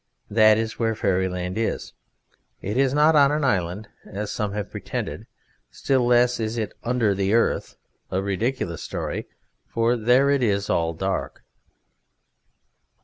That is where Fairyland is. It is not on an island, as some have pretended, still less is it under the earth a ridiculous story, for there it is all dark."